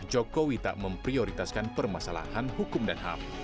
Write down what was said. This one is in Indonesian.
jokowi tak memprioritaskan permasalahan hukum dan ham